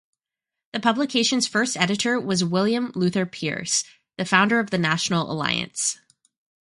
The publication's first editor was William Luther Pierce, the founder of the National Alliance.